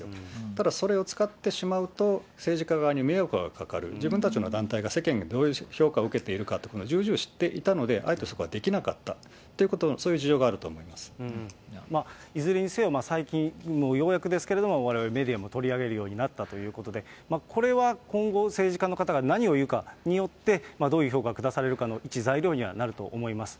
ただ、それを使ってしまうと、政治家側に迷惑がかかる、自分たちの団体が世間がどういう評価を受けているかっていうのは重々知っていたので、あえてそこはできなかったということの、そいずれにせよ、最近、ようやくですけれども、われわれメディアも取り上げるようになったということで、これは今後、政治家の方が何を言うかによって、どういう評価下されるかの一材料になると思います。